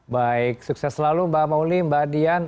baik sukses selalu mbak mauli mbak dian